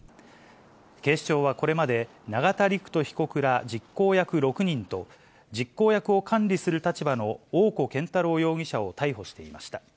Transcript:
警視庁はこれまで、永田陸人被告ら、実行役６人と、実行役を管理する立場の大古健太郎容疑者を逮捕していました。